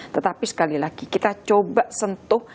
tetapi sekali lagi kita coba sentuh